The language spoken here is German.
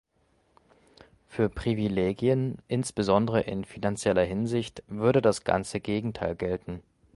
Für Privilegien – insbesondere in finanzieller Hinsicht würde das ganze Gegenteil gelten.